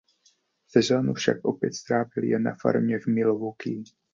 Sezonu však opět strávil jen na farmě v Milwaukee.